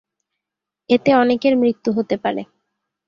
এতে অনেকের মৃত্যু হতে পারে।